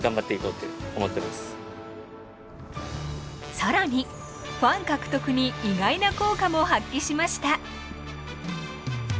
更にファン獲得に意外な効果も発揮しました。